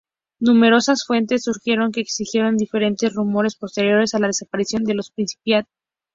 Numerosas fuentes sugieren que existieron diferentes rumores posteriores a la desaparición de los príncipes.